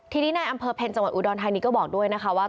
ที่ดินายอำเภอเพลย์จังหวัดอุดรไทยนี้ก็บอกด้วยนะคะว่า